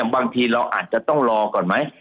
บางทีเราอาจจะต้องรอก่อนไหม